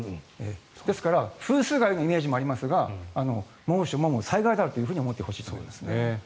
ですから風水害のイメージもありますが猛暑も災害だと思ってほしいと思います。